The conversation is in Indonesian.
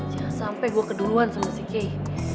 jangan sampai gua keduluan sama si kei